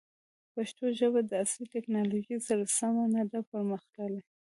پښتو ژبه د عصري تکنالوژۍ سره سمه نه ده پرمختللې.